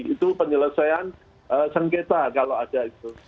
itu penyelesaian sengketa kalau ada itu